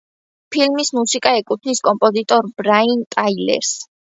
ფილმის მუსიკა ეკუთვნის კომპოზიტორ ბრაიან ტაილერს.